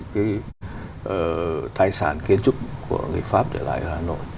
cái tài sản kiến trúc của người pháp để lại ở hà nội